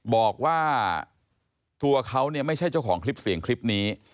บอกว่าตัวเขาเนี่ยไม่ใช่เจ้าของคลิปเสียงคลิปนี้